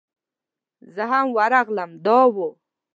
زه هم ورغلم دا و.